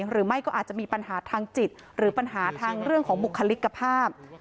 หรือไม่ก็อาจจะมีปัญหาทางจิตหรือปัญหาทางเรื่องของบุคลิกภาพ